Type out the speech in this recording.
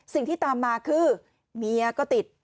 สิ่งที่ตามมาคือเมียก็ติด